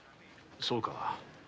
そうか。